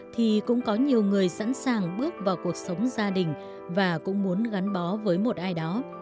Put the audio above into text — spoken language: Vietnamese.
thì cũng có nhiều người sẵn sàng bước vào cuộc sống gia đình và cũng muốn gắn bó với một ai đó